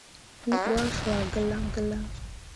Wǝ ɓuah cua gah gǝlaŋ gǝlaŋ.